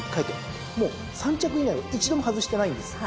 もう３着以内を一度も外してないんです。